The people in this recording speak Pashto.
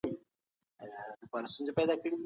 صحي پوهاوی د مرګ او ژوبلې کچه کموي.